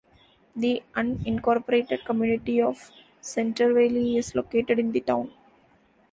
The unincorporated community of Centerville is located in the town.